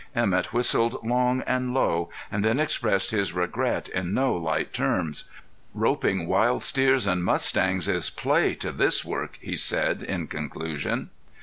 Emett whistled long and low and then expressed his regret in no light terms. "Roping wild steers and mustangs is play to this work," he said in conclusion.